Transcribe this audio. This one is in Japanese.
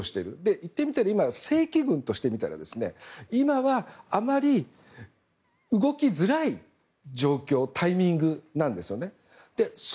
言ってみたら正規軍としてみたら今は、あまり動きづらい状況タイミングなんですよね。